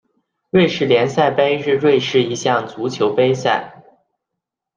瑞士联赛杯是瑞士一项足球杯赛。